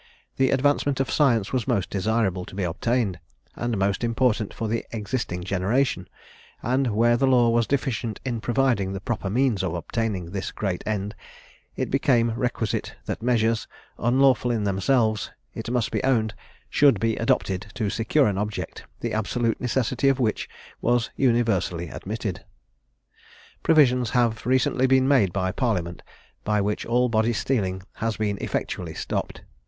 The advancement of science was most desirable to be obtained, and most important for the existing generation; and where the law was deficient in providing the proper means of obtaining this great end, it became requisite that measures, unlawful in themselves, it must be owned, should be adopted to secure an object, the absolute necessity of which was universally admitted. Provisions have recently been made by Parliament, by which all body stealing has been effectually stopped.